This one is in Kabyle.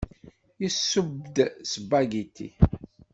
Yesseww-d aspagiti.